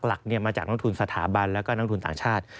หลักมาจากลงทุนสถาบันและก็ลงทุนต่างชาติ